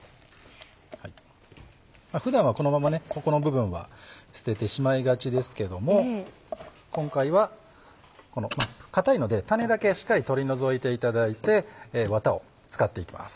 普段はこのままここの部分は捨ててしまいがちですけども今回は硬いので種だけしっかり取り除いていただいてワタを使っていきます。